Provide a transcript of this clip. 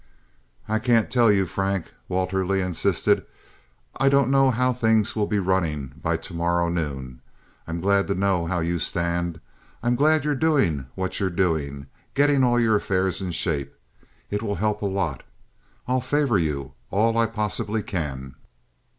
"I can't tell you, Frank," Walter Leigh insisted, "I don't know how things will be running by to morrow noon. I'm glad to know how you stand. I'm glad you're doing what you're doing—getting all your affairs in shape. It will help a lot. I'll favor you all I possibly can.